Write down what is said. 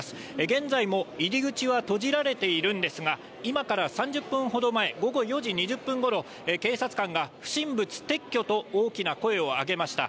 現在も入り口は閉じられているんですが、今から３０分ほど前、午後４時２０分ごろ、警察官が不審物撤去と大きな声を上げました。